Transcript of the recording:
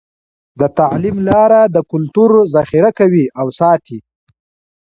د تعلیم لاره د کلتور ذخیره کوي او ساتي.